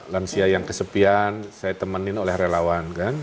lansia yang kesepian saya temenin oleh relawan kan